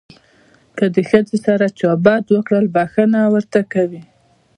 که د ښځې سره چا بد وکړل بښنه ورته کوي.